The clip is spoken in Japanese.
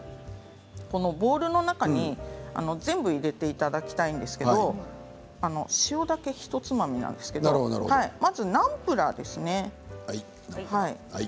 ボウルの中に全部入れていただきたいんですけど塩だけ、ひとつまみなんですけどまずナムプラーですね。